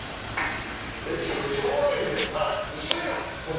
めちゃくちゃおもろいやんウソやん！